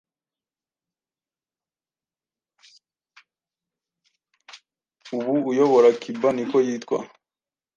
ubu uyobora cuba niko yitwa